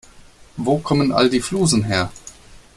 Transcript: Wo kommen all die Flusen her?